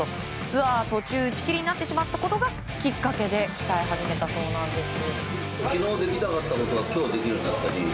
ツアー途中打ち切りになってしまったことがきっかけで鍛え始めたそうなんです。